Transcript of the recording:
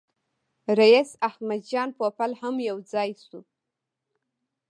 رییس احمد جان پوپل هم یو ځای شو.